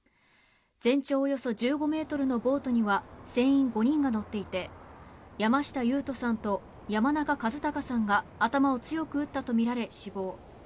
全長およそ１５ｍのボートには船員５人が乗っていて山下勇人さんと山中和孝さんが頭を強く打ったとみられ死亡。